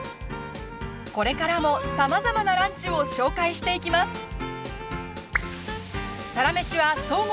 これからも、さまざまなランチを紹介していきます。